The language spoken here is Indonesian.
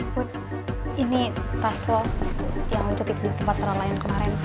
put ini tas lo yang lo cetip di tempat para layang kemarin